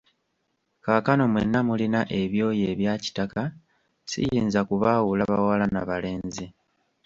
Kaakano mwenna mulina ebyoya ebya kitaka ssiyinza kubaawula bawala na balenzi.